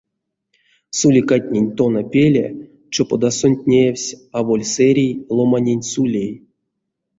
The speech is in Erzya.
Суликатнень тона пеле чоподасонть неявсь аволь сэрей ломанень сулей.